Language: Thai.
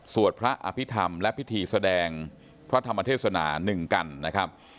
สวดพระอภิษฐรรมและพิธีแสดงพระธรรมเทศนา๑กันนะครับ